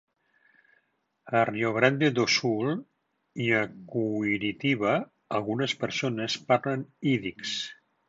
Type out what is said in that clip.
A Rio Grande do Sul i a Curitiba, algunes persones parlen ídix.